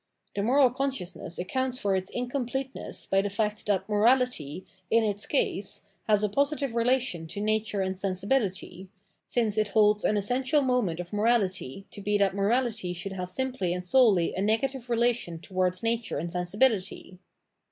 Tbe moral consciousness accounts for its incompleteness by tbe fact that morality, in its case, bas a positive rela tion to nature and sensibibty, since it bolds an essential monient of morabty to be tbat morality should have simply and solely a negative relation towards nature and sensibibty.